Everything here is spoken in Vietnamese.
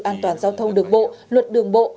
an toàn giao thông đường bộ luật đường bộ